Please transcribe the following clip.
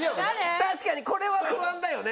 確かにこれは不安だよね。